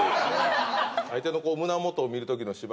相手の胸元を見るときの芝居。